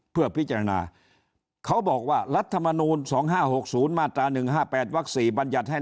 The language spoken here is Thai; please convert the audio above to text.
เพื่อพิจารณาเขาบอกว่ารัฐมนูล๒๕๖๐มาตรา๑๕๘วัก๔บัญญัติให้